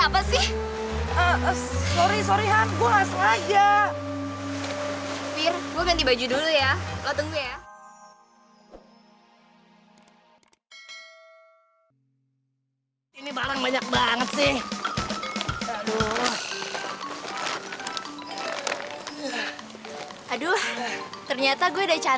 fir gue ganti baju dulu ya lo tunggu ya